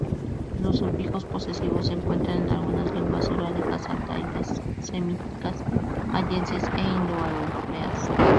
Los sufijos posesivos se encuentran en algunas lenguas urálicas, altaicas, semíticas, mayenses e indoeuropeas.